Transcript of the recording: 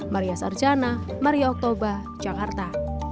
maria sarjana maria oktober jakarta